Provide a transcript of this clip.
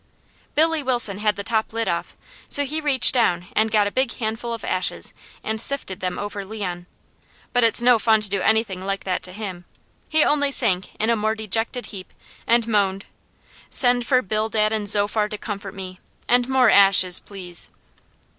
Billy Wilson had the top lid off, so he reached down and got a big handful of ashes and sifted them over Leon. But it's no fun to do anything like that to him; he only sank in a more dejected heap, and moaned: "Send for Bildad and Zophar to comfort me, and more ashes, please."